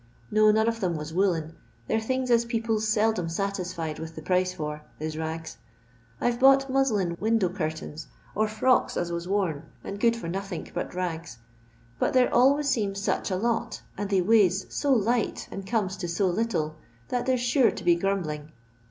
No, none of them was woollen. They're things OS people 's seldom satisfied with the price for, is rags. I 've bought muslin window curtains or frocks as was worn, and good for nothink but rags, but there always seems such a lot, and they weighs so light and comes to so little, that there 's sure to be grumbling.